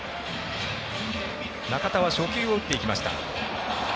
中田は初球を打っていきました。